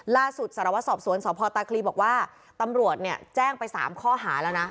สารวัตรสอบสวนสพตาคลีบอกว่าตำรวจเนี่ยแจ้งไป๓ข้อหาแล้วนะ